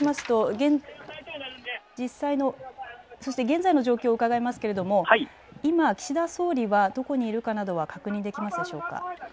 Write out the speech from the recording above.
現在の状況を伺いますが今、岸田総理はどこにいるかなどは確認できますでしょうか。